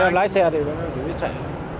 nếu em lái xe thì em cũng đi chạy